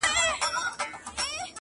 o اجل چي راسي، وخت نه غواړي٫